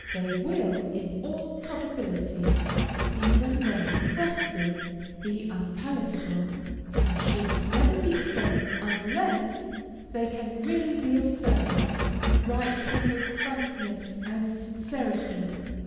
They will, in all probability, even when requested, be unpalatable, and should never be sent unless they can really be of service. Write them with frankness and sincerity.